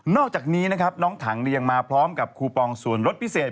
อกจากนี้นะครับน้องถังยังมาพร้อมกับคูปองส่วนรถพิเศษ